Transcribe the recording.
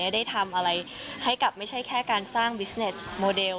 ได้ทำอะไรให้กับไม่ใช่แค่การสร้างบิสเนสโมเดล